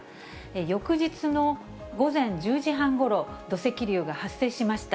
翌日の午前１０時半ごろ、土石流が発生しました。